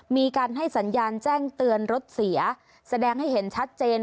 มีการให้สัญญาณแจ้งเตือนรถเสียแสดงให้เห็นชัดเจน